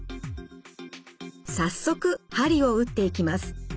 早速鍼を打っていきます。